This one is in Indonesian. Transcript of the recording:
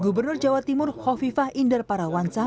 gubernur jawa timur khofifah inder parawansa